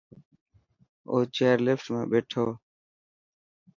او چئر لفٽ ۾ ٻيٺو.